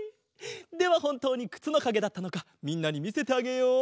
ではほんとうにくつのかげだったのかみんなにみせてあげよう！